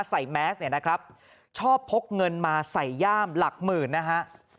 แมสเนี่ยนะครับชอบพกเงินมาใส่ย่ามหลักหมื่นนะฮะ